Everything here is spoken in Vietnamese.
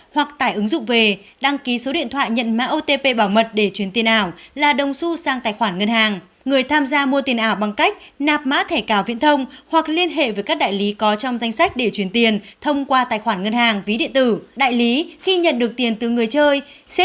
hãy đăng ký kênh để ủng hộ kênh của chúng mình nhé